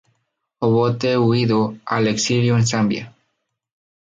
Obote huido al exilio en Zambia.